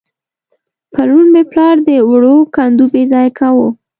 پرون مې پلار د وړو کندو بېځايه کاوه.